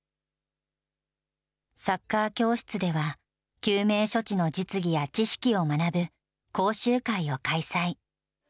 サッカー教室では、救命処置の実技や知識を学ぶ講習会を開催。